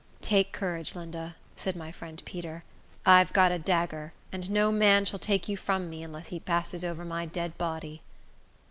"Take courage, Linda," said my friend Peter. "I've got a dagger, and no man shall take you from me, unless he passes over my dead body."